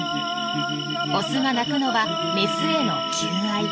オスが鳴くのはメスへの求愛。